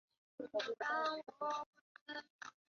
毕业于中国共产党四川省委第二党校哲学专业。